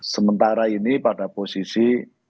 sementara ini pada posisi